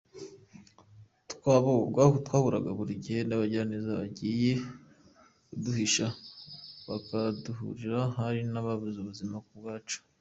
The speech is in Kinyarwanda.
Twahuraga buri gihe n’abagiraneza bagiye baduhisha, bakatugaburira, hari n’ababuze ubuzima ku bwacu.